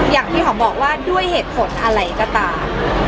อย่างที่หอมบอกว่าด้วยเหตุผลอะไรก็ตาม